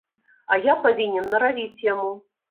А я павінен наравіць яму.